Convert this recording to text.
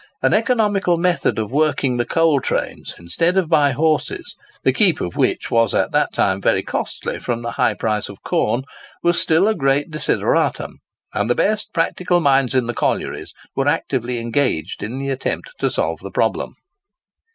An economical method of working the coal trains, instead of by horses,—the keep of which was at that time very costly, from the high price of corn,—was still a great desideratum; and the best practical minds in the collieries were actively engaged in the attempt to solve the problem.